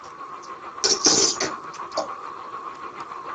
存在了至少三千多年的爱琴文明在多大程度上可以被认为是持续的？